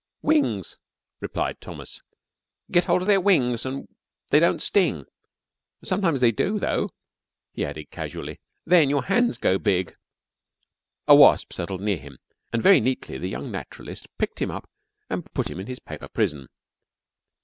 "Wings," replied Thomas. "Get hold of their wings an' they don't sting. Sometimes they do, though," he added casually. "Then your hands go big." A wasp settled near him, and very neatly the young naturalist picked him up and put him in his paper prison.